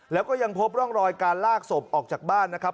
แล้วก็ยังพบร่องรอยการลากศพออกจากบ้านนะครับ